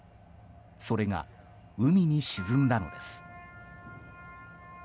それが海に沈んだのです。